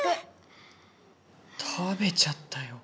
食べちゃったよ。